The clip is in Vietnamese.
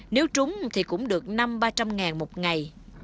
nếu trúng thì cũng được năm trăm linh ba trăm linh ngàn một ngày